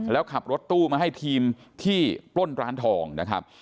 แล้วขับรถตู้มาให้ทีมที่ปล้นร้านทองนะครับ